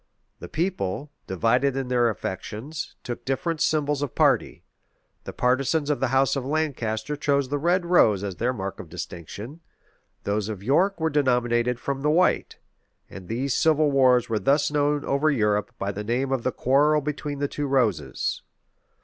The people, divided in their affections, took different symbols of party: the partisans of the house of Lancaster chose the red rose as their mark of distinction;[] those of York were denominated from the white; and these civil wars were thus known over Europe by the name of the quarrel between the two roses.